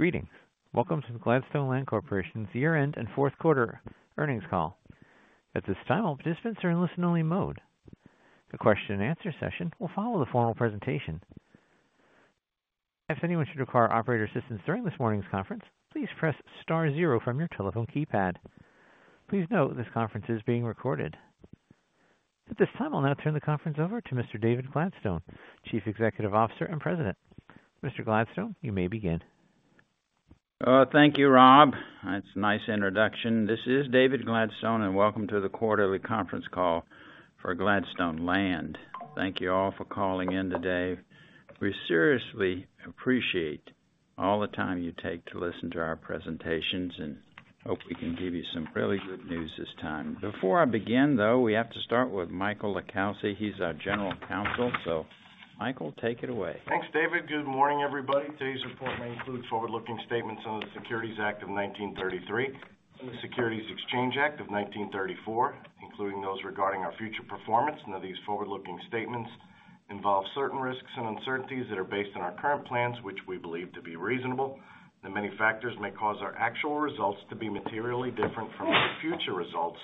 Greetings. Welcome to the Gladstone Land Corporation's Year-End and Fourth Quarter Earnings Call. At this time, all participants are in listen-only mode. The question-and-answer session will follow the formal presentation. If anyone should require operator assistance during this morning's conference, please press star zero from your telephone keypad. Please note, this conference is being recorded. At this time, I'll now turn the conference over to Mr. David Gladstone, Chief Executive Officer and President. Mr. Gladstone, you may begin. Thank you, Rob. That's a nice introduction. This is David Gladstone, and welcome to the quarterly conference call for Gladstone Land. Thank you all for calling in today. We seriously appreciate all the time you take to listen to our presentations, and hope we can give you some really good news this time. Before I begin, though, we have to start with Michael LiCalsi. He's our General Counsel. So Michael, take it away. Thanks, David. Good morning, everybody. Today's report may include forward-looking statements under the Securities Act of 1933 and the Securities Exchange Act of 1934, including those regarding our future performance. Now, these forward-looking statements involve certain risks and uncertainties that are based on our current plans, which we believe to be reasonable. That many factors may cause our actual results to be materially different from the future results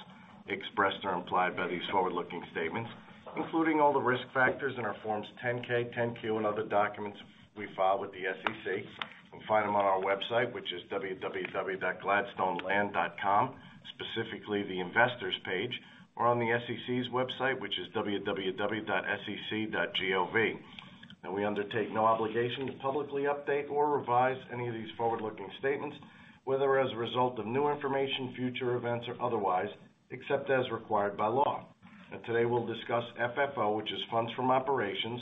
expressed or implied by these forward-looking statements, including all the risk factors in our Forms 10-K, 10-Q, and other documents we file with the SEC. You can find them on our website, which is www.gladstoneland.com, specifically the investors page, or on the SEC's website, which is www.sec.gov. Now, we undertake no obligation to publicly update or revise any of these forward-looking statements, whether as a result of new information, future events, or otherwise, except as required by law. Today, we'll discuss FFO, which is funds from operations.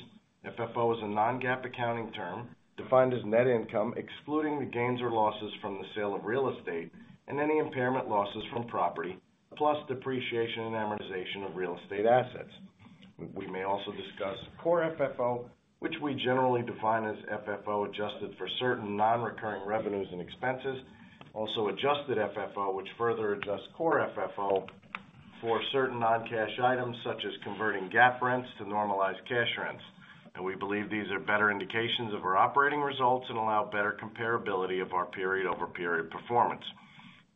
FFO is a non-GAAP accounting term, defined as net income, excluding the gains or losses from the sale of real estate and any impairment losses from property, plus depreciation and amortization of real estate assets. We may also discuss core FFO, which we generally define as FFO, adjusted for certain non-recurring revenues and expenses. Also, adjusted FFO, which further adjusts core FFO for certain non-cash items, such as converting GAAP rents to normalized cash rents. And we believe these are better indications of our operating results and allow better comparability of our period-over-period performance.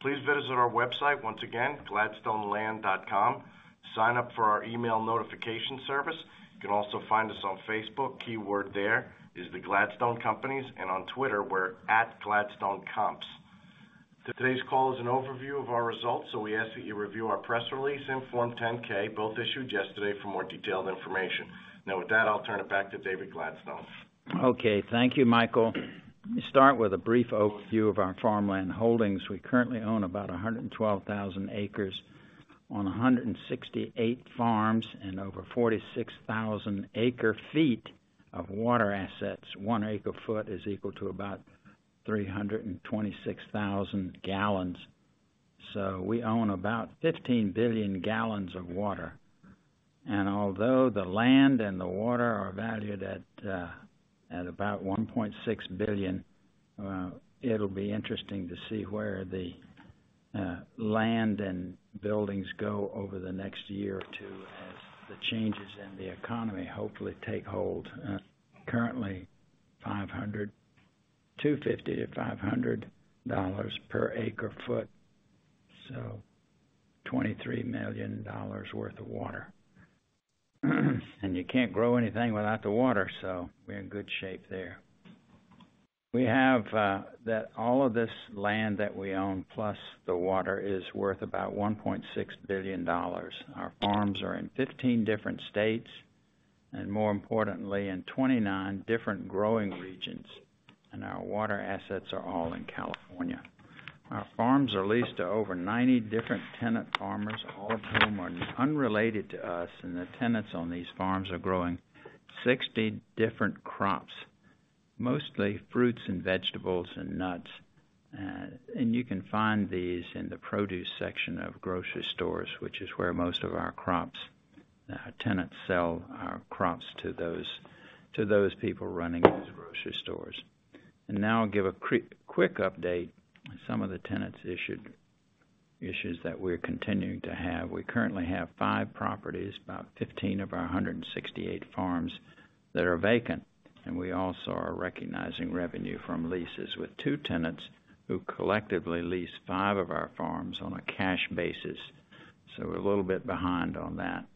Please visit our website, once again, gladstoneland.com. Sign up for our email notification service. You can also find us on Facebook. Key word there is The Gladstone Companies, and on Twitter, we're @GladstoneComps. Today's call is an overview of our results, so we ask that you review our press release and Form 10-K, both issued yesterday, for more detailed information. Now, with that, I'll turn it back to David Gladstone. Okay. Thank you, Michael. Let me start with a brief overview of our farmland holdings. We currently own about 112,000 acres on 168 farms, and over 46,000 acre ft of water assets. one acre ft is equal to about 326,000 gal. So we own about 15 billion gal of water. And although the land and the water are valued at about $1.6 billion, it'll be interesting to see where the land and buildings go over the next year or two, as the changes in the economy hopefully take hold. Currently $250-$500 per acre ft, so $23 million worth of water. And you can't grow anything without the water, so we're in good shape there. We have that all of this land that we own, plus the water, is worth about $1.6 billion. Our farms are in 15 different states, and more importantly, in 29 different growing regions, and our water assets are all in California. Our farms are leased to over 90 different tenant farmers, all of whom are unrelated to us, and the tenants on these farms are growing 60 different crops, mostly fruits and vegetables and nuts. And you can find these in the produce section of grocery stores, which is where most of our crops, tenants sell our crops to those, to those people running these grocery stores. And now, I'll give a quick update on some of the tenant issues that we're continuing to have. We currently have five properties, about 15 of our 168 farms, that are vacant, and we also are recognizing revenue from leases with two tenants who collectively lease five of our farms on a cash basis. So we're a little bit behind on that.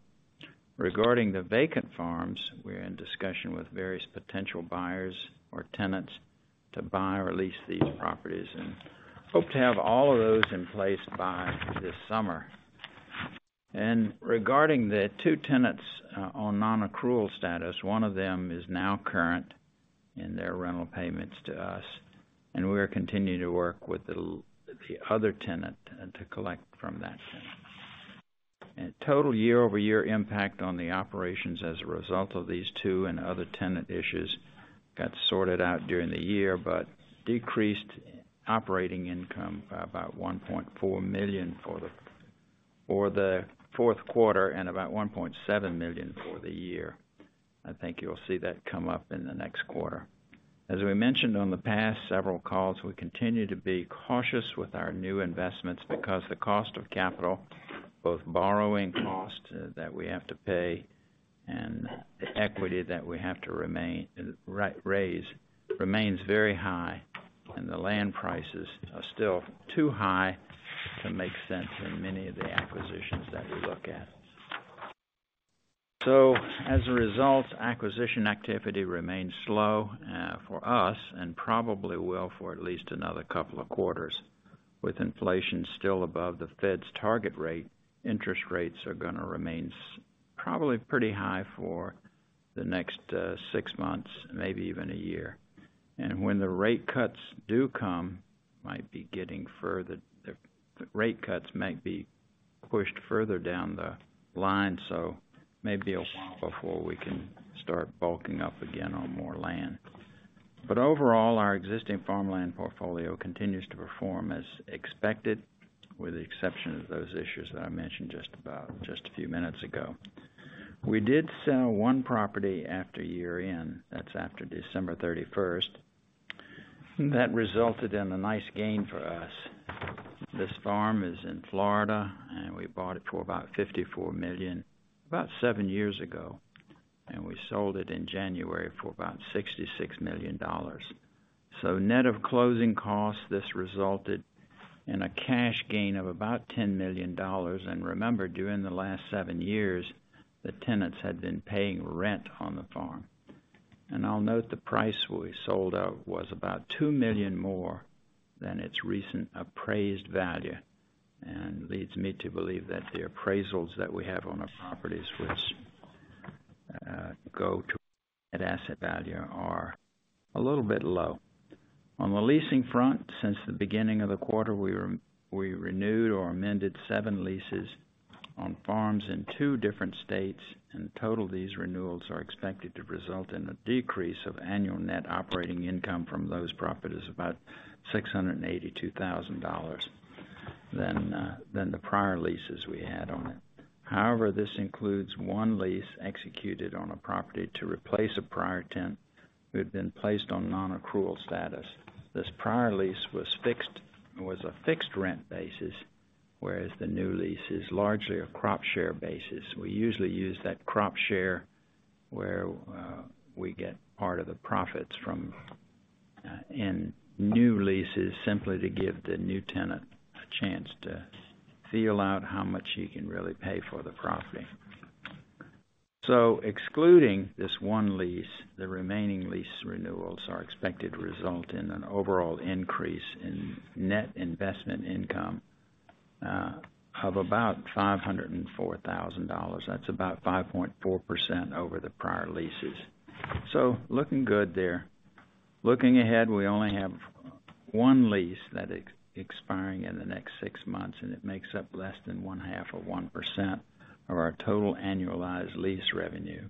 Regarding the vacant farms, we're in discussion with various potential buyers or tenants to buy or lease these properties, and hope to have all of those in place by this summer. And regarding the two tenants on non-accrual status, one of them is now current in their rental payments to us, and we are continuing to work with the other tenant to collect from that tenant. Total year-over-year impact on the operations as a result of these two and other tenant issues got sorted out during the year, but decreased operating income by about $1.4 million for the fourth quarter and about $1.7 million for the year. I think you'll see that come up in the next quarter. As we mentioned on the past several calls, we continue to be cautious with our new investments because the cost of capital, both borrowing costs that we have to pay and the equity that we have to raise, remains very high, and the land prices are still too high to make sense in many of the acquisitions that we look at. So as a result, acquisition activity remains slow for us, and probably will for at least another couple of quarters. With inflation still above the Fed's target rate, interest rates are gonna remain probably pretty high for the next six months, maybe even a year. When the rate cuts do come, the rate cuts might be pushed further down the line, so may be awhile before we can start bulking up again on more land. Overall, our existing farmland portfolio continues to perform as expected, with the exception of those issues that I mentioned just about, just a few minutes ago. We did sell one property after year-end, that's after December 31. That resulted in a nice gain for us. This farm is in Florida, and we bought it for about $54 million about seven years ago, and we sold it in January for about $66 million. So net of closing costs, this resulted in a cash gain of about $10 million. Remember, during the last seven years, the tenants had been paying rent on the farm. I'll note the price we sold at was about $2 million more than its recent appraised value, and leads me to believe that the appraisals that we have on the properties which go to net asset value are a little bit low. On the leasing front, since the beginning of the quarter, we renewed or amended seven leases on farms in two different states. In total, these renewals are expected to result in a decrease of annual net operating income from those properties, about $682,000 than the prior leases we had on it. However, this includes one lease executed on a property to replace a prior tenant who had been placed on non-accrual status. This prior lease was fixed, was a fixed rent basis, whereas the new lease is largely a crop share basis. We usually use that crop share where we get part of the profits from in new leases, simply to give the new tenant a chance to feel out how much he can really pay for the property. So excluding this one lease, the remaining lease renewals are expected to result in an overall increase in net investment income of about $504,000. That's about 5.4% over the prior leases. So looking good there. Looking ahead, we only have one lease that is expiring in the next six months, and it makes up less than 0.5% of our total annualized lease revenue.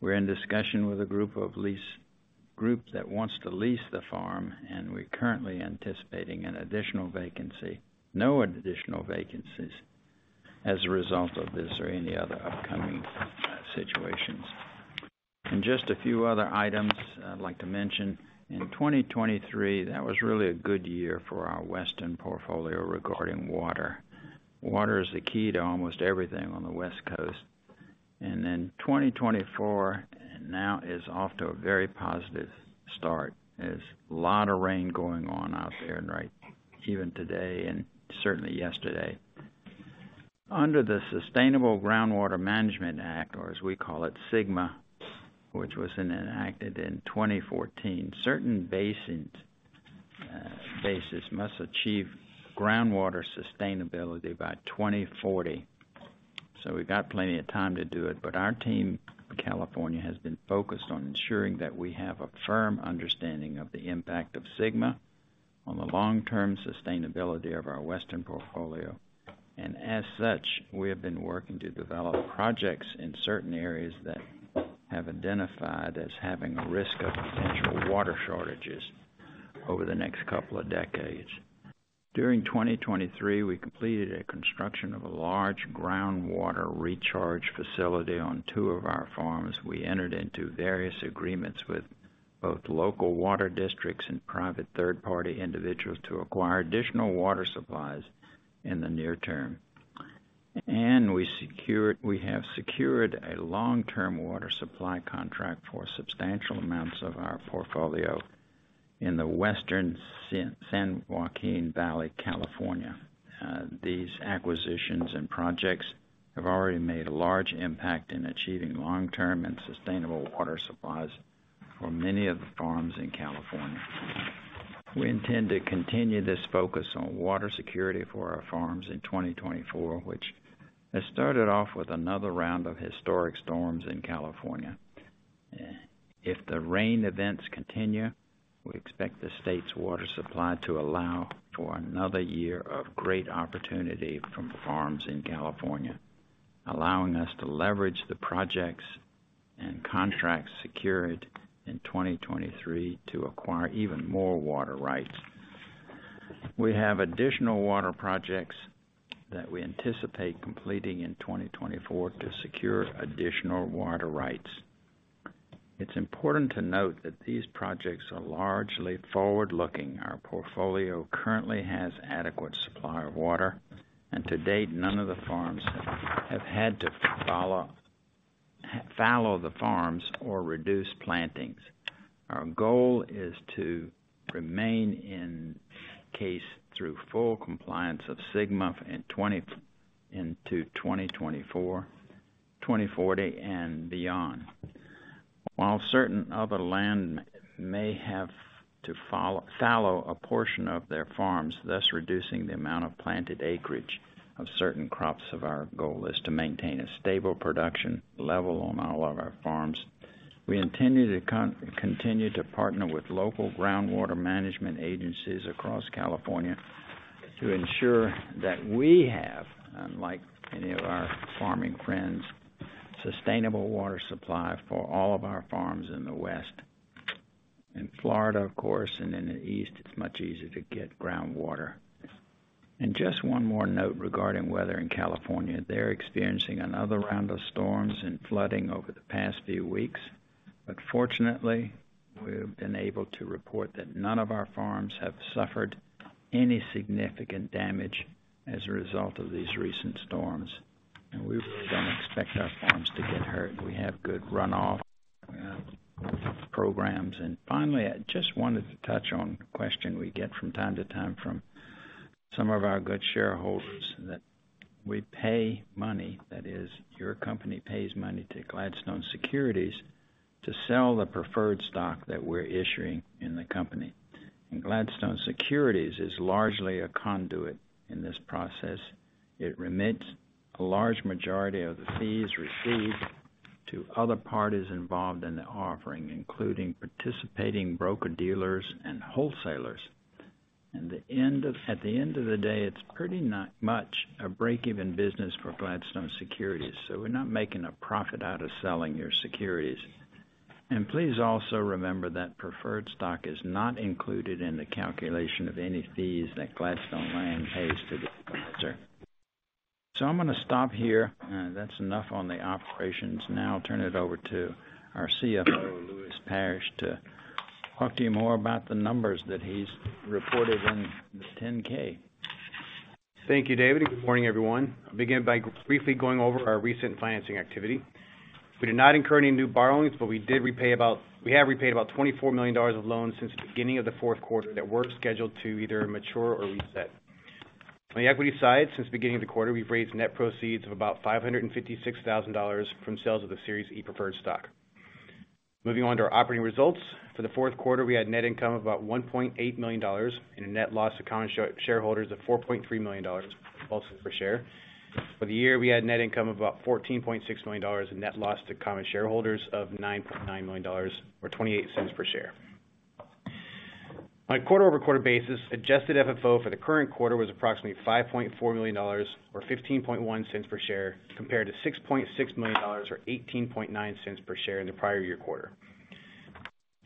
We're in discussion with a group that wants to lease the farm, and we're currently anticipating no additional vacancies as a result of this or any other upcoming situations. Just a few other items I'd like to mention. In 2023, that was really a good year for our Western portfolio regarding water. Water is the key to almost everything on the West Coast. And then 2024, and now is off to a very positive start. There's a lot of rain going on out there, right, even today, and certainly yesterday. Under the Sustainable Groundwater Management Act, or as we call it, SGMA, which was enacted in 2014, certain basins must achieve groundwater sustainability by 2040. So we've got plenty of time to do it, but our team in California has been focused on ensuring that we have a firm understanding of the impact of SGMA on the long-term sustainability of our Western portfolio. And as such, we have been working to develop projects in certain areas that have identified as having a risk of potential water shortages over the next couple of decades. During 2023, we completed a construction of a large groundwater recharge facility on two of our farms. We entered into various agreements with both local water districts and private third-party individuals to acquire additional water supplies in the near term. We have secured a long-term water supply contract for substantial amounts of our portfolio in the western San Joaquin Valley, California. These acquisitions and projects have already made a large impact in achieving long-term and sustainable water supplies for many of the farms in California. We intend to continue this focus on water security for our farms in 2024, which has started off with another round of historic storms in California. If the rain events continue, we expect the state's water supply to allow for another year of great opportunity from the farms in California, allowing us to leverage the projects and contracts secured in 2023 to acquire even more water rights. We have additional water projects that we anticipate completing in 2024 to secure additional water rights. It's important to note that these projects are largely forward-looking. Our portfolio currently has adequate supply of water, and to date, none of the farms have had to fallow the farms or reduce plantings. Our goal is to remain in compliance through full compliance of SGMA into 2024-2040 and beyond. While certain other land may have to fallow a portion of their farms, thus reducing the amount of planted acreage of certain crops, our goal is to maintain a stable production level on all of our farms. We intend to continue to partner with local groundwater management agencies across California to ensure that we have, unlike any of our farming friends, sustainable water supply for all of our farms in the West. In Florida, of course, and in the East, it's much easier to get groundwater. And just one more note regarding weather in California. They're experiencing another round of storms and flooding over the past few weeks, but fortunately, we've been able to report that none of our farms have suffered any significant damage as a result of these recent storms, and we really don't expect our farms to get hurt. We have good runoff programs. And finally, I just wanted to touch on a question we get from time to time from some of our good shareholders, that we pay money, that is, your company pays money to Gladstone Securities to sell the preferred stock that we're issuing in the company. And Gladstone Securities is largely a conduit in this process. It remits a large majority of the fees received to other parties involved in the offering, including participating broker-dealers and wholesalers. At the end of the day, it's pretty not much a break-even business for Gladstone Securities, so we're not making a profit out of selling your securities. Please also remember that preferred stock is not included in the calculation of any fees that Gladstone Land pays to the advisor. So I'm going to stop here. That's enough on the operations. Now I'll turn it over to our CFO, Lewis Parrish, to talk to you more about the numbers that he's reported in the 10-K. Thank you, David, and good morning, everyone. I'll begin by briefly going over our recent financing activity. We did not incur any new borrowings, but we have repaid about $24 million of loans since the beginning of the fourth quarter that were scheduled to either mature or reset. On the equity side, since the beginning of the quarter, we've raised net proceeds of about $556,000 from sales of the Series E Preferred Stock. Moving on to our operating results. For the fourth quarter, we had net income of about $1.8 million and a net loss to common shareholders of $4.3 million, also per share. For the year, we had net income of about $14.6 million and net loss to common shareholders of $9.9 million, or $0.28 per share. On a quarter-over-quarter basis, Adjusted FFO for the current quarter was approximately $5.4 million, or $0.151 per share, compared to $6.6 million, or $0.189 per share in the prior year quarter.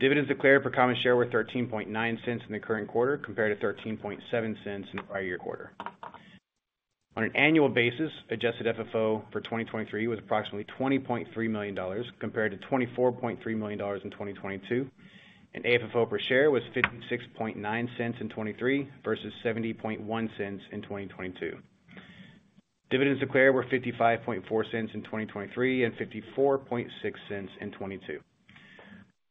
Dividends declared per common share were $0.139 in the current quarter, compared to $0.137 in the prior year quarter. On an annual basis, Adjusted FFO for 2023 was approximately $20.3 million, compared to $24.3 million in 2022, and AFFO per share was $0.569 in 2023 versus $0.701 in 2022. Dividends declared were $0.554 in 2023 and $0.546 in 2022.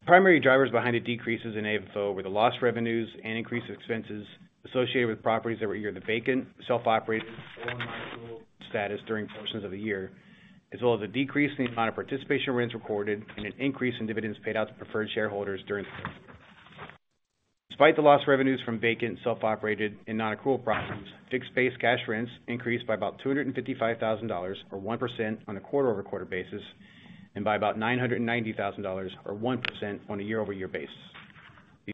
Primary drivers behind the decreases in AFFO were the lost revenues and increased expenses associated with properties that were either vacant, self-operated, or non-accrual status during portions of the year, as well as a decrease in the amount of participation rents recorded and an increase in dividends paid out to preferred shareholders during the year. Despite the lost revenues from vacant, self-operated, and non-accrual properties, fixed-base cash rents increased by about $255,000, or 1% on a quarter-over-quarter basis, and by about $990,000, or 1% on a year-over-year basis.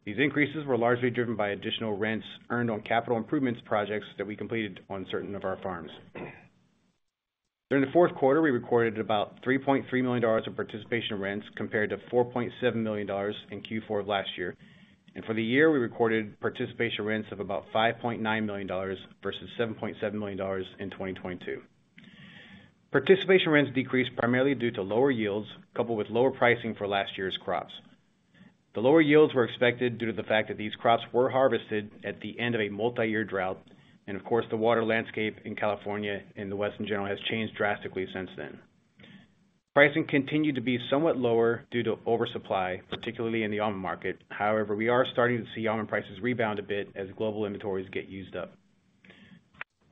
These increases were largely driven by additional rents earned on capital improvements projects that we completed on certain of our farms. During the fourth quarter, we recorded about $3.3 million of participation rents, compared to $4.7 million in Q4 last year. For the year, we recorded participation rents of about $5.9 million versus $7.7 million in 2022. Participation rents decreased primarily due to lower yields, coupled with lower pricing for last year's crops. The lower yields were expected due to the fact that these crops were harvested at the end of a multi-year drought, and of course, the water landscape in California and the West in general, has changed drastically since then. Pricing continued to be somewhat lower due to oversupply, particularly in the almond market. However, we are starting to see almond prices rebound a bit as global inventories get used up.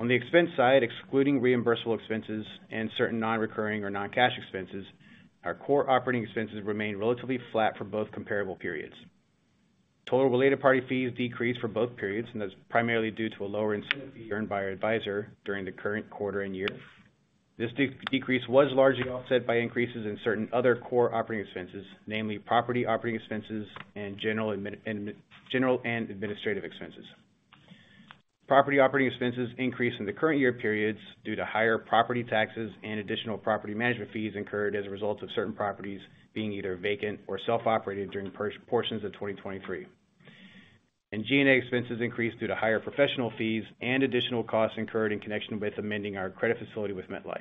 On the expense side, excluding reimbursable expenses and certain non-recurring or non-cash expenses, our core operating expenses remain relatively flat for both comparable periods. Total related party fees decreased for both periods, and that's primarily due to a lower incentive fee earned by our advisor during the current quarter and year. This decrease was largely offset by increases in certain other core operating expenses, namely property operating expenses and general and administrative expenses. Property operating expenses increased in the current year periods due to higher property taxes and additional property management fees incurred as a result of certain properties being either vacant or self-operated during portions of 2023, and G&A expenses increased due to higher professional fees and additional costs incurred in connection with amending our credit facility with MetLife.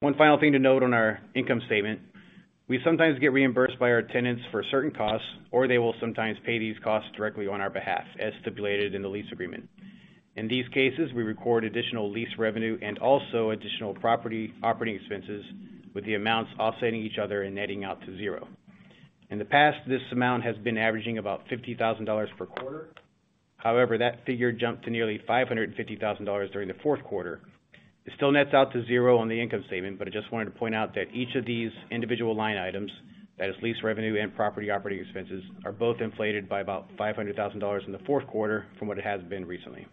One final thing to note on our income statement, we sometimes get reimbursed by our tenants for certain costs, or they will sometimes pay these costs directly on our behalf, as stipulated in the lease agreement. In these cases, we record additional lease revenue and also additional property operating expenses, with the amounts offsetting each other and netting out to zero. In the past, this amount has been averaging about $50,000 per quarter. However, that figure jumped to nearly $550,000 during the fourth quarter. It still nets out to zero on the income statement, but I just wanted to point out that each of these individual line items, that is, lease revenue and property operating expenses, are both inflated by about $500,000 in the fourth quarter from what it has been recently.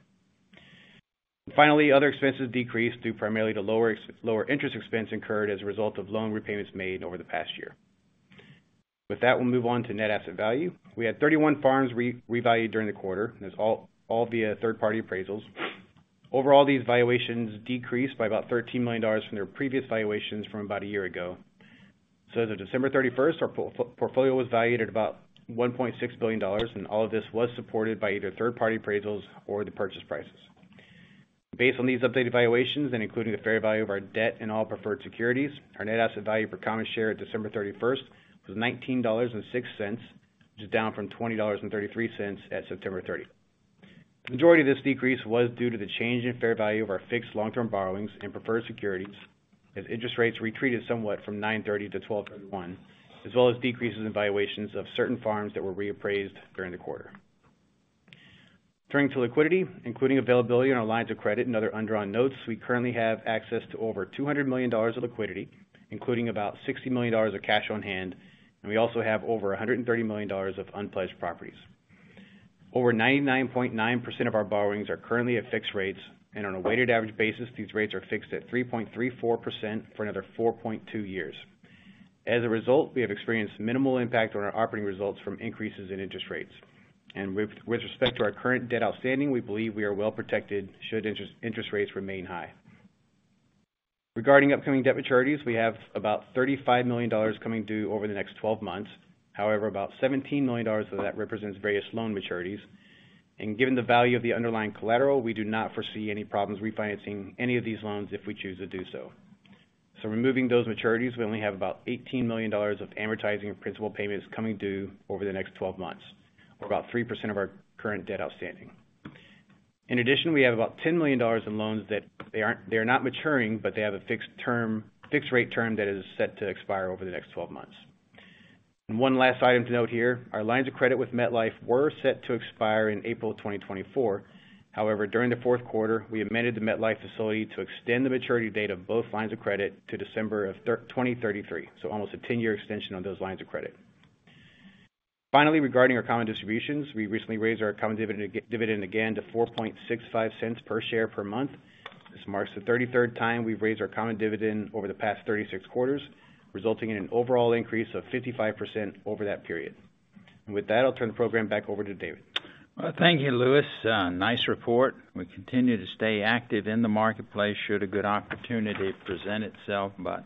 Finally, other expenses decreased due primarily to lower lower interest expense incurred as a result of loan repayments made over the past year. With that, we'll move on to net asset value. We had 31 farms revalued during the quarter, and it's all via third-party appraisals. Overall, these valuations decreased by about $13 million from their previous valuations from about a year ago. So as of December 31, our portfolio was valued at about $1.6 billion, and all of this was supported by either third-party appraisals or the purchase prices. Based on these updated valuations, and including the fair value of our debt and all preferred securities, our net asset value per common share at December 31 was $19.06, which is down from $20.33 at September 30. The majority of this decrease was due to the change in fair value of our fixed long-term borrowings and preferred securities, as interest rates retreated somewhat from September 30 to December 31, as well as decreases in valuations of certain farms that were reappraised during the quarter. Turning to liquidity, including availability on our lines of credit and other undrawn notes, we currently have access to over $200 million of liquidity, including about $60 million of cash on hand, and we also have over $130 million of unpledged properties. Over 99.9% of our borrowings are currently at fixed rates, and on a weighted average basis, these rates are fixed at 3.34% for another 4.2 years. As a result, we have experienced minimal impact on our operating results from increases in interest rates. With respect to our current debt outstanding, we believe we are well protected, should interest rates remain high. Regarding upcoming debt maturities, we have about $35 million coming due over the next 12 months. However, about $17 million of that represents various loan maturities. And given the value of the underlying collateral, we do not foresee any problems refinancing any of these loans if we choose to do so. So removing those maturities, we only have about $18 million of amortizing and principal payments coming due over the next 12 months, or about 3% of our current debt outstanding. In addition, we have about $10 million in loans that they're not maturing, but they have a fixed term, fixed rate term that is set to expire over the next 12 months. And one last item to note here, our lines of credit with MetLife were set to expire in April 2024. However, during the fourth quarter, we amended the MetLife facility to extend the maturity date of both lines of credit to December 2033, so almost a 10-year extension on those lines of credit. Finally, regarding our common distributions, we recently raised our common dividend again to $0.0465 per share per month. This marks the 33rd time we've raised our common dividend over the past 36 quarters, resulting in an overall increase of 55% over that period. And with that, I'll turn the program back over to David. Well, thank you, Lewis. Nice report. We continue to stay active in the marketplace should a good opportunity present itself, but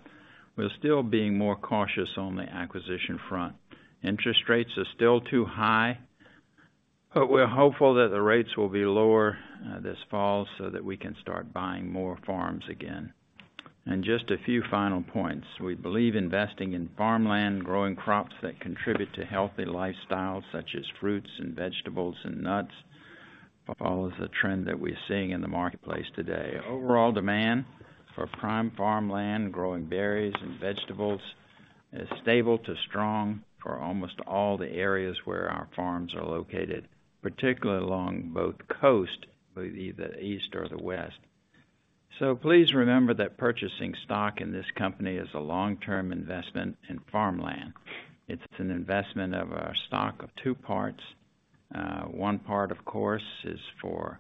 we're still being more cautious on the acquisition front. Interest rates are still too high, but we're hopeful that the rates will be lower this fall, so that we can start buying more farms again. Just a few final points. We believe investing in farmland, growing crops that contribute to healthy lifestyles, such as fruits and vegetables and nuts, follows the trend that we're seeing in the marketplace today. Overall demand for prime farmland, growing berries and vegetables, is stable to strong for almost all the areas where our farms are located, particularly along both coasts, whether the East or the West. So please remember that purchasing stock in this company is a long-term investment in farmland. It's an investment of our stock of two parts. One part, of course, is for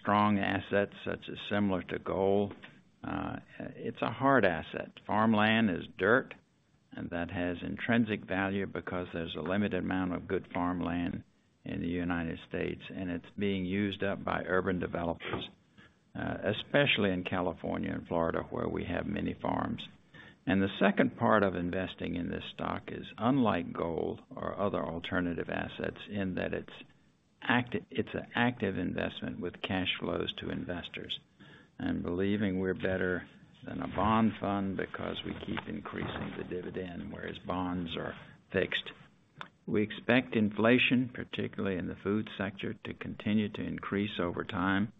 strong assets, such as similar to gold. It's a hard asset. Farmland is dirt, and that has intrinsic value because there's a limited amount of good farmland in the United States, and it's being used up by urban developers, especially in California and Florida, where we have many farms. And the second part of investing in this stock is, unlike gold or other alternative assets, in that it's an active investment with cash flows to investors, and believing we're better than a bond fund because we keep increasing the dividend, whereas bonds are fixed. We expect inflation, particularly in the food sector, to continue to increase over time.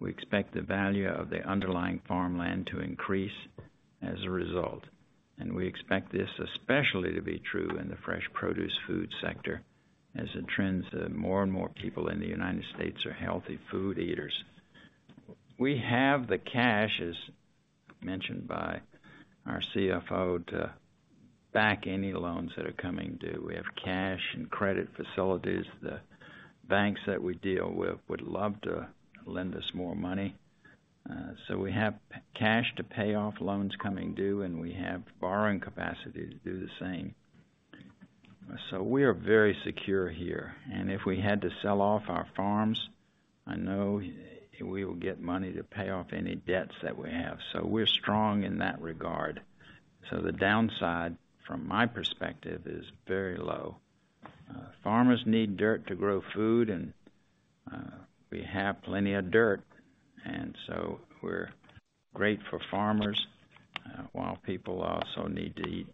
We expect the value of the underlying farmland to increase as a result, and we expect this especially to be true in the fresh produce food sector, as the trends, more and more people in the United States are healthy food eaters. We have the cash, as mentioned by our CFO, to back any loans that are coming due. We have cash and credit facilities. The banks that we deal with would love to lend us more money, so we have cash to pay off loans coming due, and we have borrowing capacity to do the same. So we are very secure here, and if we had to sell off our farms, I know we will get money to pay off any debts that we have, so we're strong in that regard. So the downside, from my perspective, is very low. Farmers need dirt to grow food, and we have plenty of dirt, and so we're great for farmers. While people also need to eat,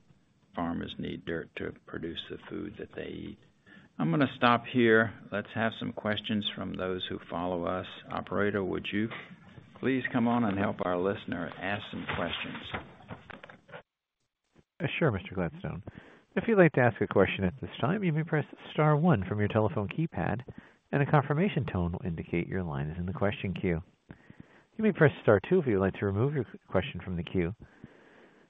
farmers need dirt to produce the food that they eat. I'm gonna stop here. Let's have some questions from those who follow us. Operator, would you please come on and help our listener ask some questions? Sure, Mr. Gladstone. If you'd like to ask a question at this time, you may press star one from your telephone keypad, and a confirmation tone will indicate your line is in the question queue. You may press star two if you'd like to remove your question from the queue.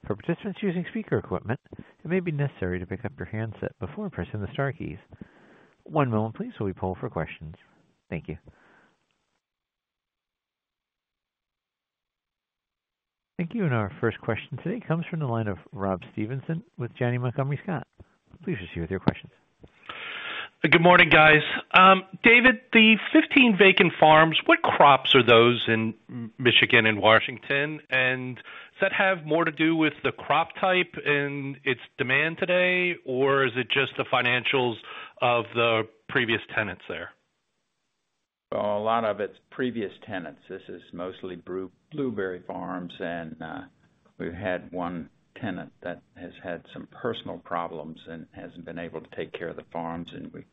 For participants using speaker equipment, it may be necessary to pick up your handset before pressing the star keys. One moment please, while we poll for questions. Thank you. Thank you. And our first question today comes from the line of Rob Stevenson with Janney Montgomery Scott. Please proceed with your questions. Good morning, guys. David, the 15 vacant farms, what crops are those in Michigan and Washington? And does that have more to do with the crop type and its demand today, or is it just the financials of the previous tenants there? Well, a lot of it's previous tenants. This is mostly blueberry farms, and we've had one tenant that has had some personal problems and hasn't been able to take care of the farms, and we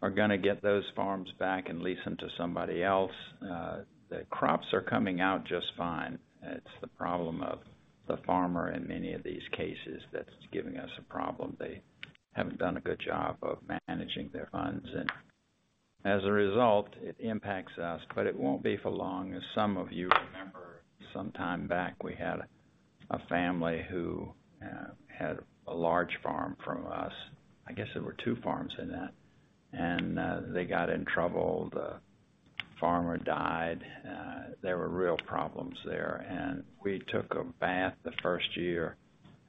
are gonna get those farms back and lease them to somebody else. The crops are coming out just fine. It's the problem of the farmer in many of these cases that's giving us a problem. They haven't done a good job of managing their funds, and as a result, it impacts us, but it won't be for long. As some of you remember, sometime back, we had a family who had a large farm from us. I guess there were two farms in that. And they got in trouble. The farmer died. There were real problems there, and we took a bath the first year,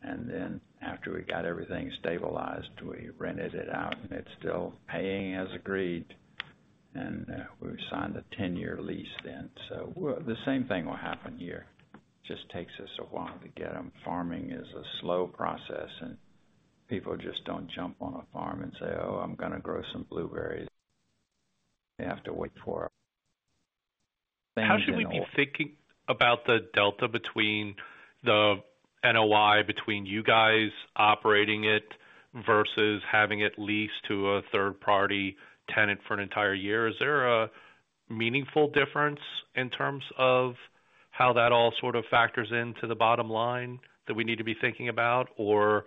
and then after we got everything stabilized, we rented it out, and it's still paying as agreed, and we've signed a 10-year lease then. So the same thing will happen here. Just takes us a while to get them. Farming is a slow process, and people just don't jump on a farm and say, "Oh, I'm gonna grow some blueberries." They have to wait for it. How should we be thinking about the delta between the NOI, between you guys operating it versus having it leased to a third-party tenant for an entire year? Is there a meaningful difference in terms of how that all sort of factors into the bottom line that we need to be thinking about, or,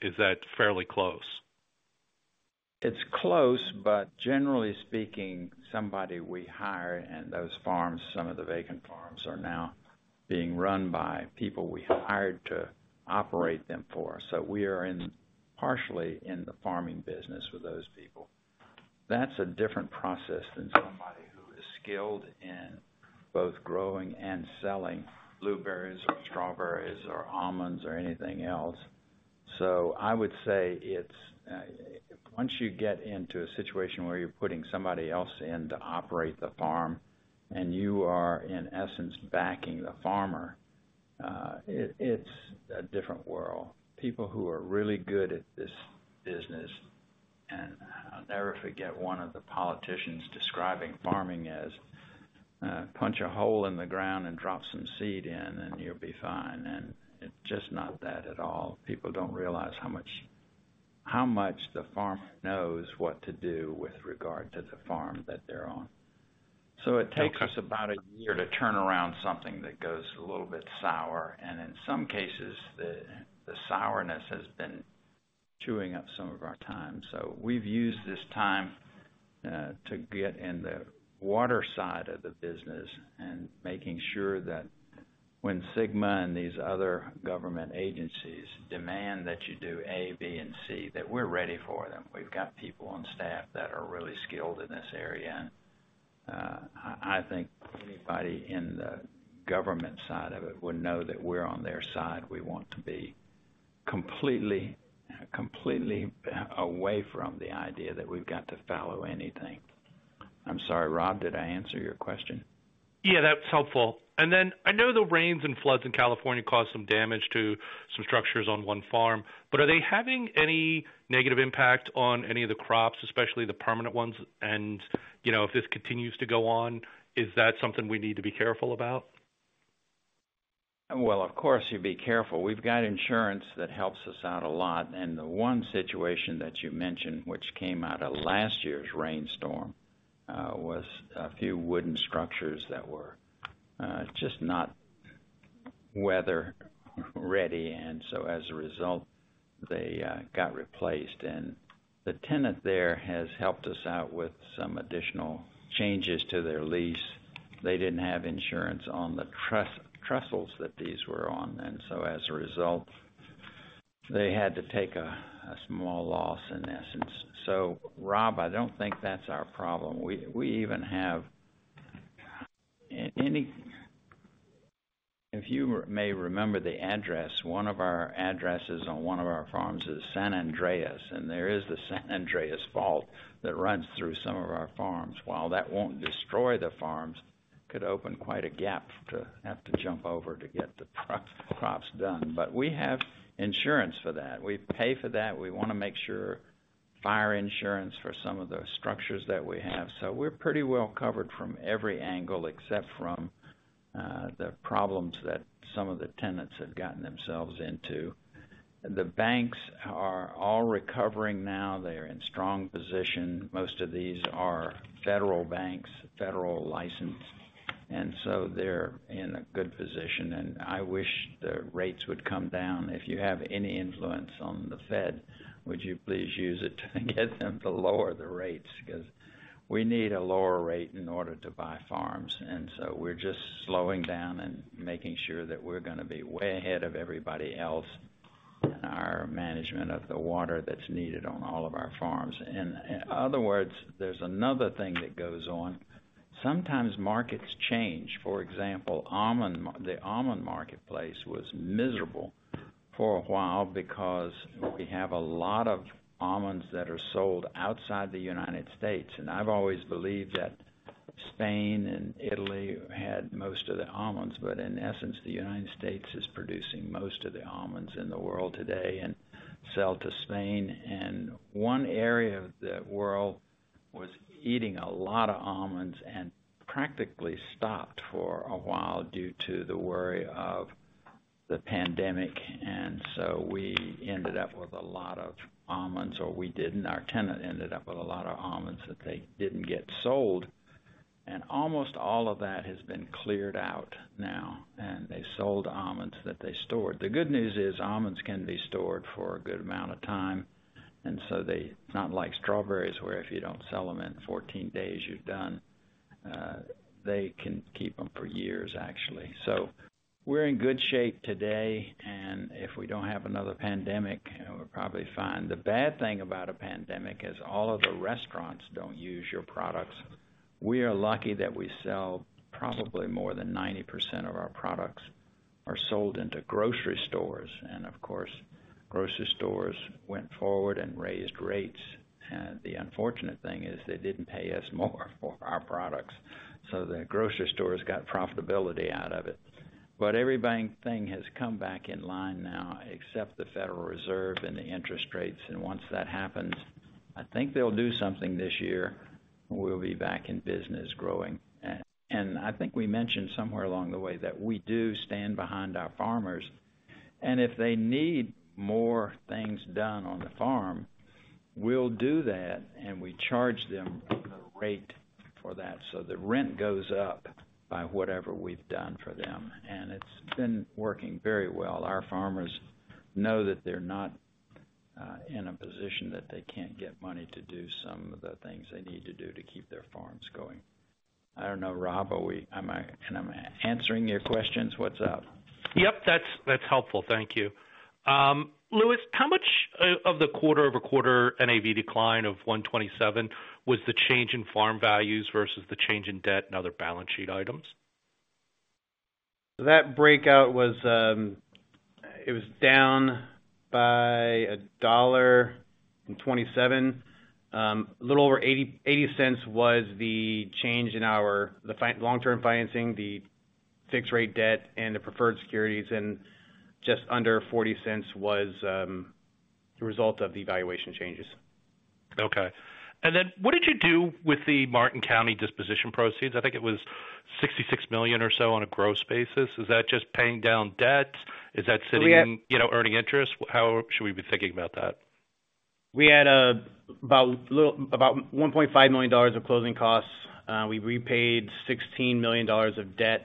is that fairly close? It's close, but generally speaking, somebody we hire, and those farms, some of the vacant farms, are now being run by people we hired to operate them for us. So we are in partially in the farming business with those people. That's a different process than somebody who is skilled in both growing and selling blueberries or strawberries or almonds or anything else. So I would say it's. Once you get into a situation where you're putting somebody else in to operate the farm, and you are, in essence, backing the farmer, it's a different world. People who are really good at this business, and I'll never forget one of the politicians describing farming as punch a hole in the ground and drop some seed in, and you'll be fine. It's just not that at all. People don't realize how much, how much the farmer knows what to do with regard to the farm that they're on. So it takes us about a year to turn around something that goes a little bit sour, and in some cases, the sourness has been chewing up some of our time. So we've used this time to get in the water side of the business and making sure that when SGMA and these other government agencies demand that you do A, B, and C, that we're ready for them. We've got people on staff that are really skilled in this area, and, I think anybody in the government side of it would know that we're on their side. We want to be completely away from the idea that we've got to foul anything. I'm sorry, Rob, did I answer your question? Yeah, that's helpful. And then, I know the rains and floods in California caused some damage to some structures on one farm, but are they having any negative impact on any of the crops, especially the permanent ones? And, you know, if this continues to go on, is that something we need to be careful about? Well, of course, you be careful. We've got insurance that helps us out a lot, and the one situation that you mentioned, which came out of last year's rainstorm, was a few wooden structures that were just not weather-ready. And so as a result, they got replaced, and the tenant there has helped us out with some additional changes to their lease. They didn't have insurance on the truss trestles that these were on, and so as a result, they had to take a small loss, in essence. So Rob, I don't think that's our problem. We even had anyway, if you may remember the address, one of our addresses on one of our farms is San Andreas, and there is the San Andreas Fault that runs through some of our farms. While that won't destroy the farms, could open quite a gap to have to jump over to get the crops done. But we have insurance for that. We pay for that. We want to make sure fire insurance for some of the structures that we have. So we're pretty well covered from every angle, except from the problems that some of the tenants have gotten themselves into. The banks are all recovering now. They're in strong position. Most of these are federal banks, federal licensed, and so they're in a good position, and I wish the rates would come down. If you have any influence on the Fed, would you please use it to get them to lower the rates? Because we need a lower rate in order to buy farms, and so we're just slowing down and making sure that we're going to be way ahead of everybody else in our management of the water that's needed on all of our farms. In other words, there's another thing that goes on. Sometimes markets change. For example, almond, the almond marketplace was miserable for a while because we have a lot of almonds that are sold outside the United States. I've always believed that Spain and Italy had most of the almonds, but in essence, the United States is producing most of the almonds in the world today and sell to Spain. One area of the world was eating a lot of almonds and practically stopped for a while due to the worry of the pandemic. And so we ended up with a lot of almonds, or we didn't, our tenant ended up with a lot of almonds that they didn't get sold, and almost all of that has been cleared out now, and they sold almonds that they stored. The good news is, almonds can be stored for a good amount of time, and so they—it's not like strawberries, where if you don't sell them in 14 days, you're done. They can keep them for years, actually. So we're in good shape today, and if we don't have another pandemic, we're probably fine. The bad thing about a pandemic is all of the restaurants don't use your products. We are lucky that we sell probably more than 90% of our products are sold into grocery stores, and of course, grocery stores went forward and raised rates. And the unfortunate thing is they didn't pay us more for our products, so the grocery stores got profitability out of it. But every bank thing has come back in line now, except the Federal Reserve and the interest rates. And once that happens, I think they'll do something this year, and we'll be back in business growing. And I think we mentioned somewhere along the way that we do stand behind our farmers, and if they need more things done on the farm, we'll do that, and we charge them a rate for that. So the rent goes up by whatever we've done for them, and it's been working very well. Our farmers know that they're not in a position that they can't get money to do some of the things they need to do to keep their farms going. I don't know, Rob, am I... am I answering your questions? What's up? Yep, that's, that's helpful. Thank you. Lewis, how much of the quarter-over-quarter NAV decline of $1.27 was the change in farm values versus the change in debt and other balance sheet items? That breakout was, it was down by $1.27. A little over $0.80, $0.80 was the change in our, the fixed long-term financing, the fixed rate debt, and the preferred securities, and just under $0.40 was, the result of the valuation changes. Okay. And then what did you do with the Martin County disposition proceeds? I think it was $66 million or so on a gross basis. Is that just paying down debt? Is that sitting- We had- You know, earning interest? How should we be thinking about that? We had about $1.5 million of closing costs. We repaid $16 million of debt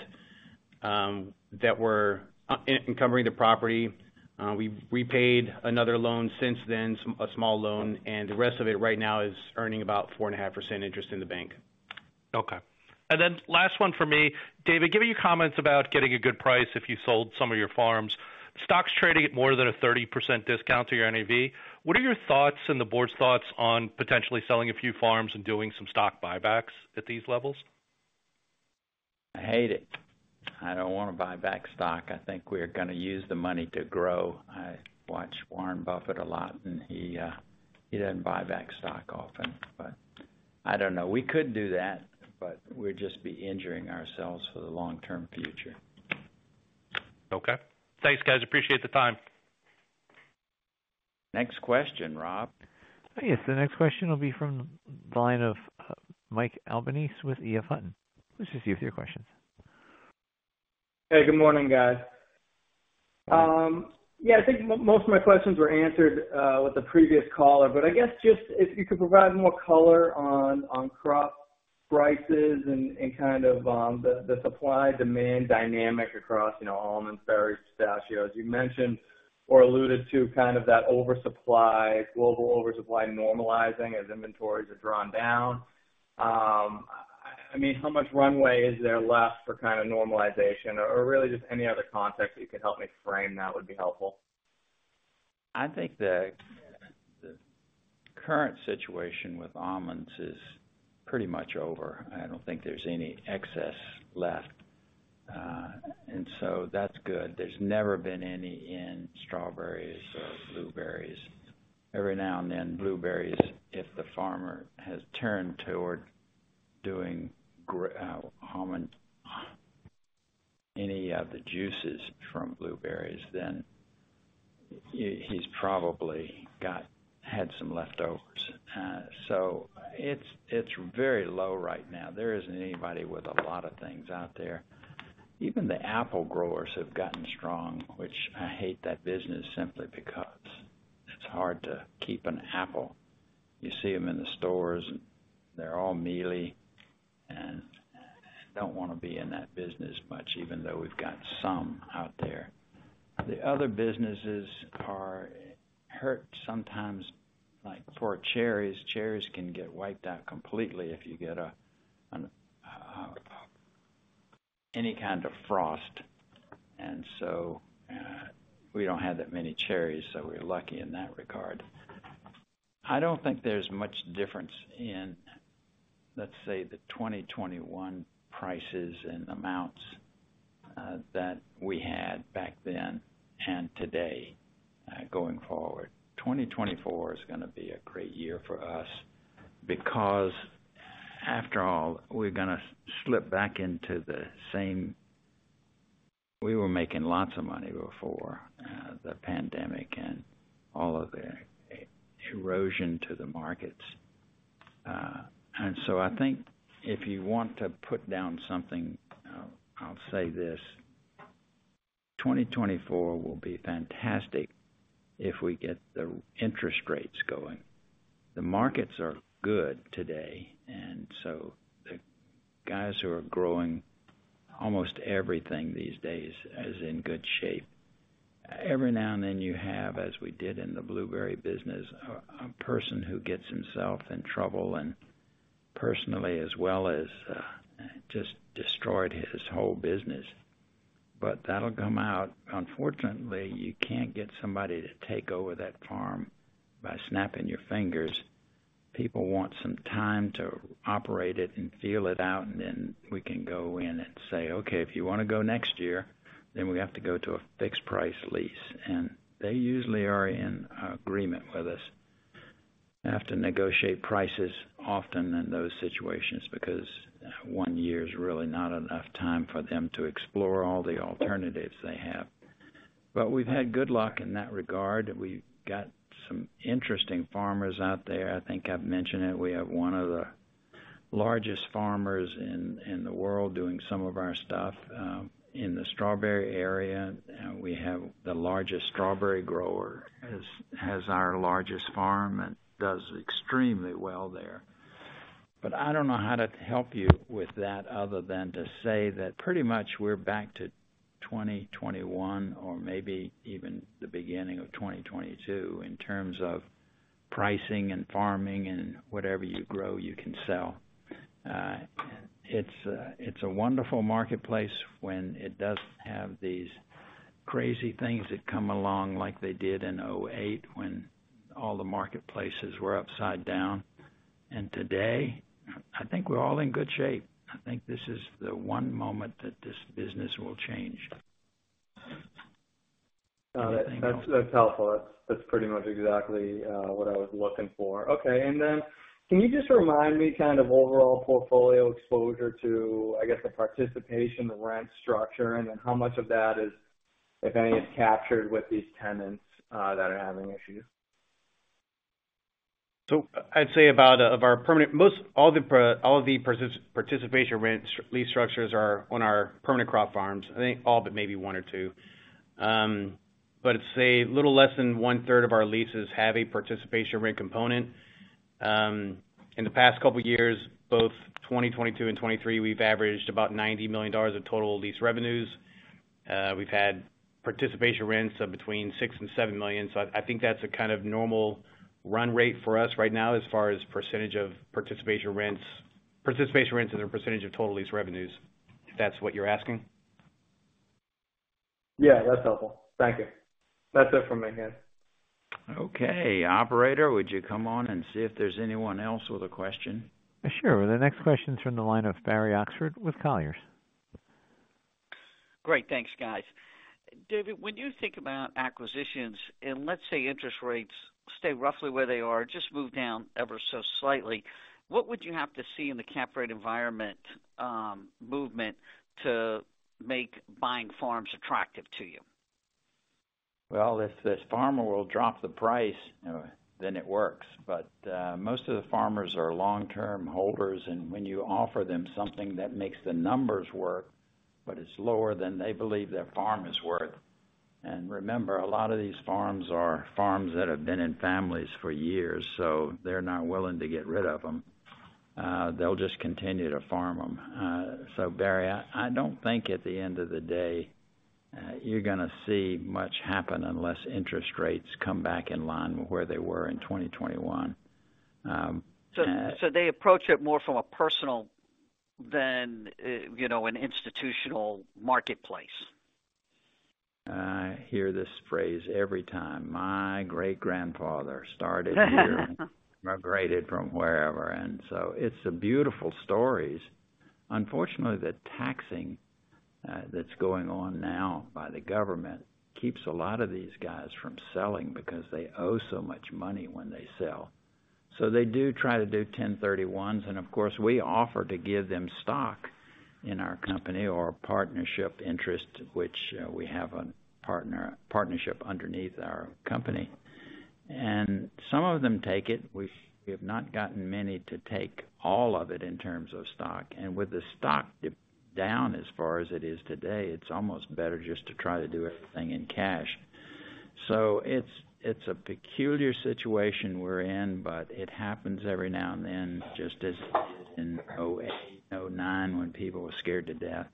that were encumbering the property. We've repaid another loan since then, a small loan, and the rest of it right now is earning about 4.5% interest in the bank. Okay. And then last one for me. David, given your comments about getting a good price if you sold some of your farms, stocks trading at more than a 30% discount to your NAV, what are your thoughts and the board's thoughts on potentially selling a few farms and doing some stock buybacks at these levels? I hate it. I don't want to buy back stock. I think we're going to use the money to grow. I watch Warren Buffett a lot, and he, he doesn't buy back stock often, but I don't know. We could do that, but we'd just be injuring ourselves for the long-term future. Okay. Thanks, guys, appreciate the time. Next question, Rob. Yes, the next question will be from the line of Mike Albanese with EF Hutton. Please just give us your questions. Hey, good morning, guys. Yeah, I think most of my questions were answered with the previous caller, but I guess just if you could provide more color on crop prices and kind of the supply-demand dynamic across, you know, almonds, berries, pistachios. You mentioned or alluded to kind of that oversupply, global oversupply normalizing as inventories are drawn down. I mean, how much runway is there left for kind of normalization? Or really just any other context you could help me frame that would be helpful. I think the current situation with almonds is pretty much over. I don't think there's any excess left, and so that's good. There's never been any in strawberries or blueberries. Every now and then, blueberries, if the farmer has turned toward doing almond any of the juices from blueberries, then he's probably had some leftovers. So it's very low right now. There isn't anybody with a lot of things out there. Even the apple growers have gotten strong, which I hate that business simply because it's hard to keep an apple. You see them in the stores, and they're all mealy, and I don't want to be in that business much, even though we've got some out there. The other businesses are hurt sometimes, like poor cherries. Cherries can get wiped out completely if you get a any kind of frost. And so, we don't have that many cherries, so we're lucky in that regard. I don't think there's much difference in, let's say, the 2021 prices and amounts, that we had back then and today, going forward. 2024 is gonna be a great year for us because after all, we're gonna slip back into the same... We were making lots of money before, the pandemic and all of the erosion to the markets. And so I think if you want to put down something, I'll say this: 2024 will be fantastic if we get the interest rates going. The markets are good today, and so the guys who are growing almost everything these days is in good shape. Every now and then, you have, as we did in the blueberry business, a, a person who gets himself in trouble and personally, as well as, just destroyed his whole business. But that'll come out. Unfortunately, you can't get somebody to take over that farm by snapping your fingers. People want some time to operate it and feel it out, and then we can go in and say, "Okay, if you want to go next year, then we have to go to a fixed price lease." And they usually are in agreement with us. We have to negotiate prices often in those situations because one year is really not enough time for them to explore all the alternatives they have. But we've had good luck in that regard. We've got some interesting farmers out there. I think I've mentioned it. We have one of the largest farmers in the world doing some of our stuff in the strawberry area. We have the largest strawberry grower has our largest farm and does extremely well there. But I don't know how to help you with that other than to say that pretty much we're back to 2021 or maybe even the beginning of 2022 in terms of pricing and farming and whatever you grow, you can sell. It's a wonderful marketplace when it doesn't have these crazy things that come along like they did in 2008, when all the marketplaces were upside down. And today, I think we're all in good shape. I think this is the one moment that this business will change. That's, that's helpful. That's pretty much exactly what I was looking for. Okay, and then can you just remind me kind of overall portfolio exposure to, I guess, the participation, the rent structure, and then how much of that is, if any, is captured with these tenants that are having issues? So I'd say about of our permanent most all the participation rent lease structures are on our permanent crop farms. I think all but maybe one or two. But it's a little less than one-third of our leases have a participation rent component. In the past couple of years, both 2022 and 2023, we've averaged about $90 million of total lease revenues. We've had participation rents of between $6 million-$7 million. So I think that's a kind of normal run rate for us right now, as far as percentage of participation rents, participation rents and the percentage of total lease revenues, if that's what you're asking? Yeah, that's helpful. Thank you. That's it from my end. Okay. Operator, would you come on and see if there's anyone else with a question? Sure. The next question is from the line of Barry Oxford with Colliers. Great. Thanks, guys. David, when you think about acquisitions, and let's say interest rates stay roughly where they are, just move down ever so slightly, what would you have to see in the cap rate environment, movement, to make buying farms attractive to you? Well, if this farmer will drop the price, then it works. But most of the farmers are long-term holders, and when you offer them something that makes the numbers work, but it's lower than they believe their farm is worth. And remember, a lot of these farms are farms that have been in families for years, so they're not willing to get rid of them. They'll just continue to farm them. So Barry, I don't think at the end of the day you're gonna see much happen unless interest rates come back in line with where they were in 2021. So they approach it more from a personal... than, you know, an institutional marketplace? I hear this phrase every time, "My great-grandfather started here," migrated from wherever, and so it's beautiful stories. Unfortunately, the taxing that's going on now by the government keeps a lot of these guys from selling because they owe so much money when they sell. So they do try to do 1031s, and of course, we offer to give them stock in our company or partnership interest, which we have a partnership underneath our company. And some of them take it. We've, we have not gotten many to take all of it in terms of stock, and with the stock down as far as it is today, it's almost better just to try to do everything in cash. So it's a peculiar situation we're in, but it happens every now and then, just as it did in 2008, 2009, when people were scared to death.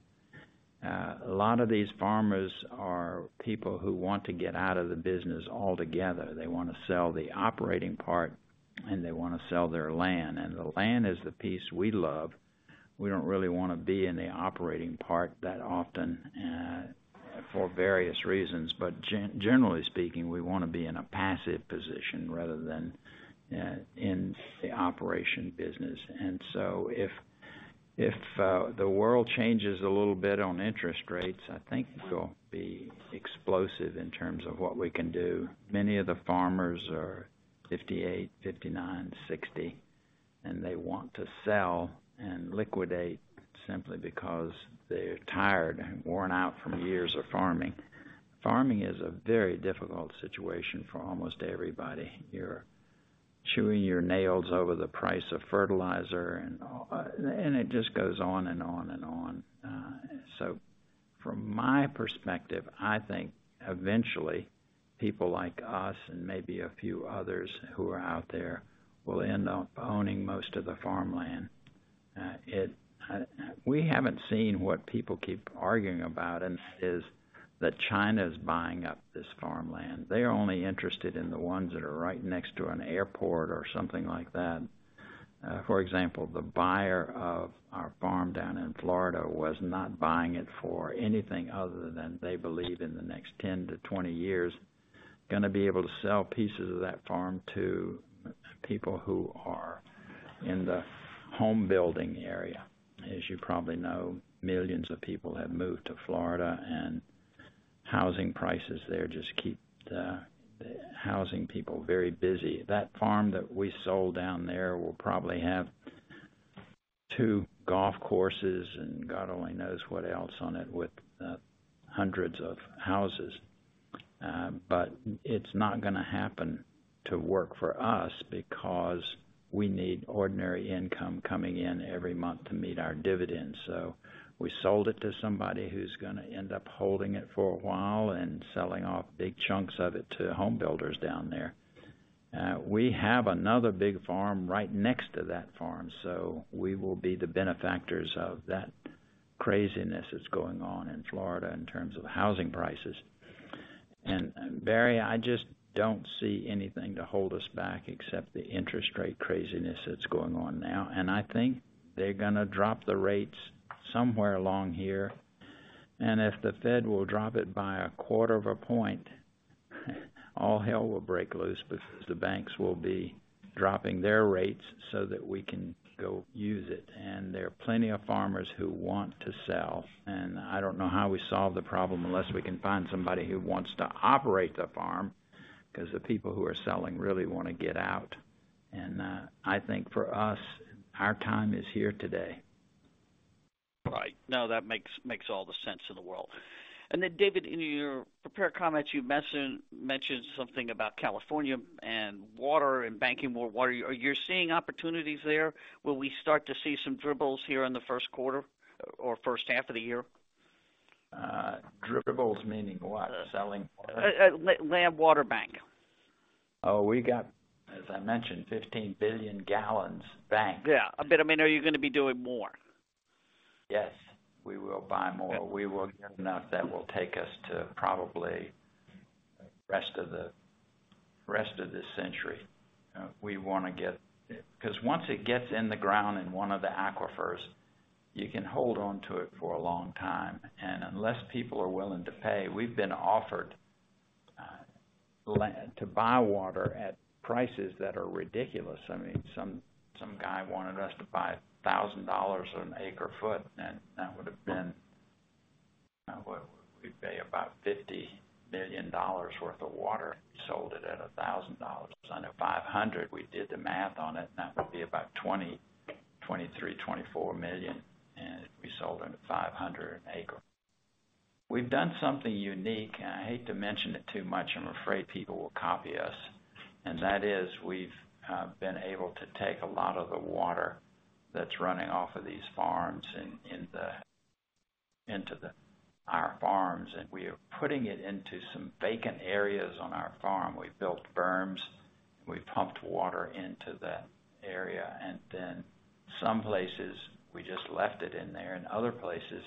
A lot of these farmers are people who want to get out of the business altogether. They wanna sell the operating part, and they wanna sell their land, and the land is the piece we love. We don't really wanna be in the operating part that often for various reasons. But generally speaking, we wanna be in a passive position rather than in the operation business. And so if the world changes a little bit on interest rates, I think we'll be explosive in terms of what we can do. Many of the farmers are 58, 59, 60, and they want to sell and liquidate simply because they're tired and worn out from years of farming. Farming is a very difficult situation for almost everybody. You're chewing your nails over the price of fertilizer, and, and it just goes on and on and on. So from my perspective, I think eventually, people like us and maybe a few others who are out there, will end up owning most of the farmland. We haven't seen what people keep arguing about, and that is that China's buying up this farmland. They are only interested in the ones that are right next to an airport or something like that. For example, the buyer of our farm down in Florida was not buying it for anything other than they believe in the next 10-20 years, gonna be able to sell pieces of that farm to people who are in the home building area. As you probably know, millions of people have moved to Florida, and housing prices there just keep housing people very busy. That farm that we sold down there will probably have two golf courses and God only knows what else on it with hundreds of houses. But it's not gonna happen to work for us because we need ordinary income coming in every month to meet our dividends. So we sold it to somebody who's gonna end up holding it for a while and selling off big chunks of it to home builders down there. We have another big farm right next to that farm, so we will be the benefactors of that craziness that's going on in Florida in terms of housing prices. And Barry, I just don't see anything to hold us back except the interest rate craziness that's going on now. And I think they're gonna drop the rates somewhere along here, and if the Fed will drop it by a quarter of a point, all hell will break loose because the banks will be dropping their rates so that we can go use it. And there are plenty of farmers who want to sell, and I don't know how we solve the problem unless we can find somebody who wants to operate the farm, 'cause the people who are selling really want to get out. And I think for us, our time is here today. Right. No, that makes all the sense in the world. And then, David, in your prepared comments, you mentioned something about California and water and banking more water. Are you seeing opportunities there? Will we start to see some dribbles here in the first quarter or first half of the year? Dribbles, meaning what? Selling- Land water bank. Oh, we got, as I mentioned, 15 billion gal banked. Yeah, but I mean, are you gonna be doing more? Yes, we will buy more. We will get enough that will take us to probably the rest of the, rest of this century. We wanna get... Because once it gets in the ground in one of the aquifers, you can hold on to it for a long time, and unless people are willing to pay, we've been offered, land- to buy water at prices that are ridiculous. I mean, some, some guy wanted us to buy $1,000 an acre ft, and that would have been, what? We'd pay about $50 million worth of water, sold it at $1,000. Under $500, we did the math on it, and that would be about $23 million-$24 million, and it'd be sold under $500 an acre. We've done something unique, and I hate to mention it too much. I'm afraid people will copy us, and that is we've been able to take a lot of the water that's running off of these farms into our farms, and we are putting it into some vacant areas on our farm. We've built berms, we've pumped water into the area, and then some places, we just left it in there, and other places,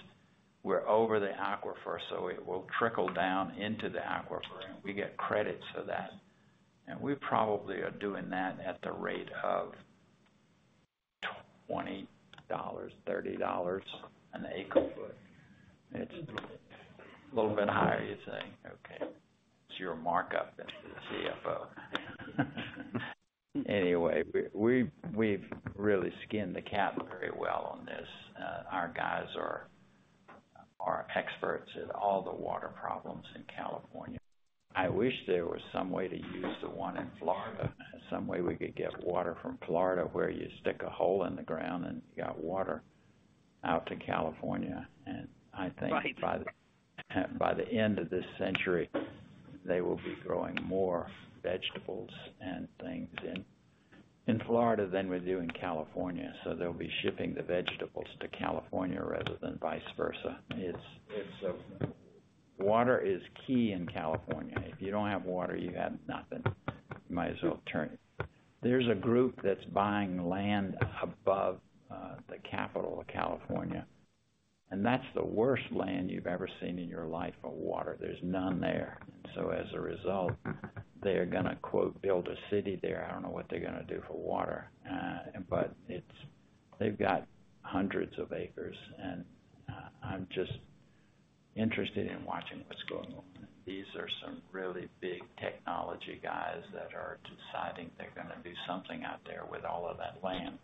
we're over the aquifer, so it will trickle down into the aquifer, and we get credit for that. And we probably are doing that at the rate of $20-$30 an acre ft. It's a little bit higher, you say? Okay, it's your markup as the CFO. Anyway, we've really skinned the cat very well on this. Our guys are experts at all the water problems in California. I wish there was some way to use the one in Florida, some way we could get water from Florida, where you stick a hole in the ground and you got water, out to California. And I think- Right. By the end of this century, they will be growing more vegetables and things in Florida than we do in California, so they'll be shipping the vegetables to California rather than vice versa. It's. Water is key in California. If you don't have water, you have nothing. You might as well turn it. There's a group that's buying land above the capital of California, and that's the worst land you've ever seen in your life for water. There's none there. So as a result, they are gonna, quote, "Build a city there." I don't know what they're gonna do for water. But it's. They've got hundreds of acres, and I'm just interested in watching what's going on. These are some really big technology guys that are deciding they're gonna do something out there with all of that land.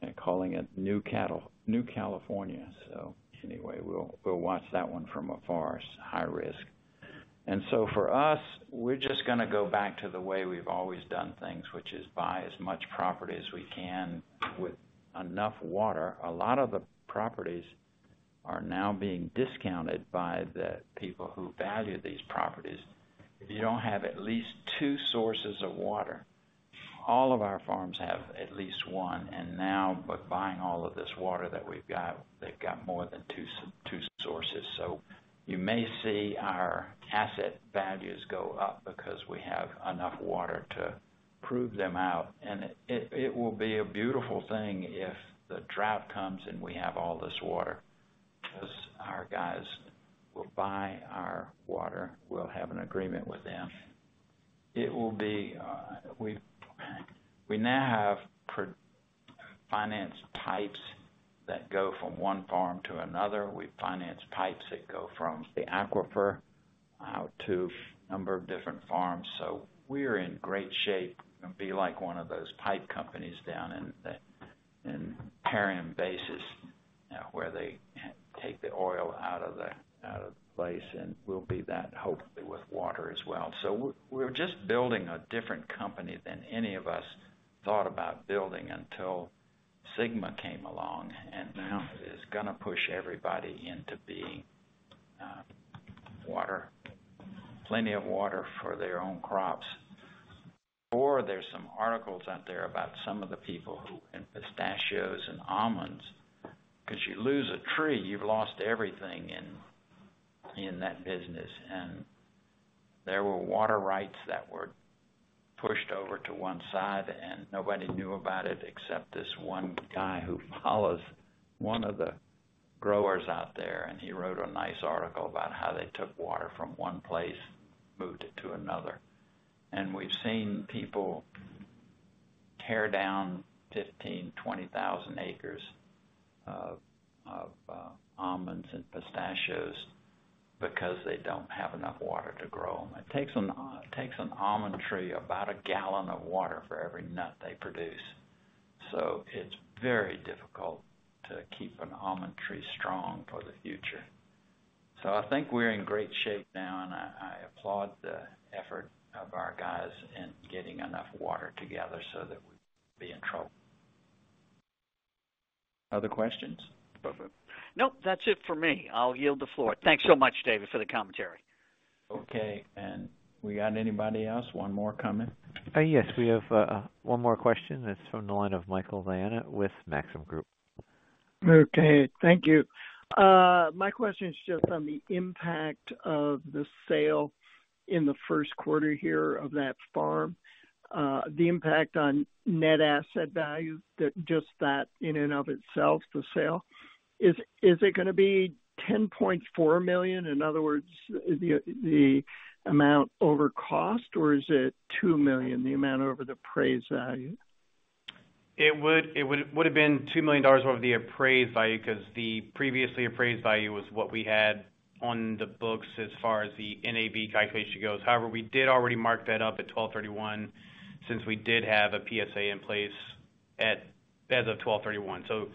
They're calling it New California. So anyway, we'll watch that one from afar. It's high risk. And so for us, we're just gonna go back to the way we've always done things, which is buy as much property as we can with enough water. A lot of the properties are now being discounted by the people who value these properties. If you don't have at least two sources of water, all of our farms have at least one, and now, with buying all of this water that we've got, they've got more than two sources. So you may see our asset values go up because we have enough water to prove them out, and it will be a beautiful thing if the drought comes and we have all this water, 'cause our guys will buy our water. We'll have an agreement with them. It will be. We, we now have pre-financed pipes that go from one farm to another. We finance pipes that go from the aquifer out to a number of different farms, so we're in great shape and be like one of those pipe companies down in the, in Permian Basin, where they take the oil out of the, out of the place, and we'll be that, hopefully with water as well. So we're, we're just building a different company than any of us thought about building until SGMA came along, and now it is gonna push everybody into being water, plenty of water for their own crops. Or there's some articles out there about some of the people who, in pistachios and almonds, 'cause you lose a tree, you've lost everything in, in that business. There were water rights that were pushed over to one side, and nobody knew about it except this one guy who follows one of the growers out there, and he wrote a nice article about how they took water from one place, moved it to another. And we've seen people tear down 15,000-20,000 acres of almonds and pistachios because they don't have enough water to grow them. It takes an almond tree about a gallon of water for every nut they produce. So it's very difficult to keep an almond tree strong for the future. So I think we're in great shape now, and I applaud the effort of our guys in getting enough water together so that we won't be in trouble. Other questions? Nope, that's it for me. I'll yield the floor. Thanks so much, David, for the commentary. Okay, and we got anybody else? One more comment. Yes, we have one more question. It's from the line of Michael Diana with Maxim Group. Okay, thank you. My question is just on the impact of the sale in the first quarter here of that farm, the impact on net asset value, that, just that in and of itself, the sale. Is it gonna be $10.4 million? In other words, the amount over cost, or is it $2 million, the amount over the appraised value? It would have been $2 million over the appraised value, 'cause the previously appraised value was what we had on the books as far as the NAV calculation goes. However, we did already mark that up at December 31, since we did have a PSA in place at, as of December 31. So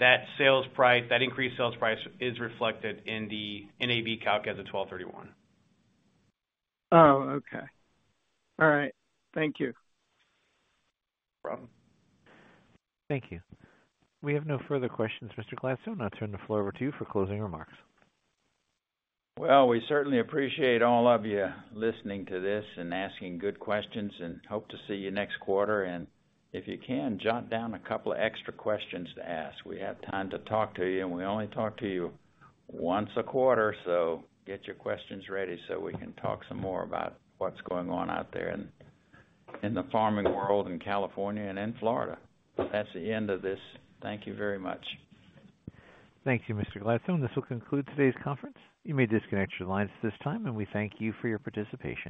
that sales price, that increased sales price is reflected in the NAV calc as of December 31. Oh, okay. All right, thank you. No problem. Thank you. We have no further questions, Mr. Gladstone. I'll turn the floor over to you for closing remarks. Well, we certainly appreciate all of you listening to this and asking good questions, and hope to see you next quarter. And if you can, jot down a couple of extra questions to ask. We have time to talk to you, and we only talk to you once a quarter, so get your questions ready so we can talk some more about what's going on out there in the farming world, in California and in Florida. That's the end of this. Thank you very much. Thank you, Mr. Gladstone. This will conclude today's conference. You may disconnect your lines at this time, and we thank you for your participation.